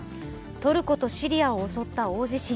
トルコとシリアを襲った大地震。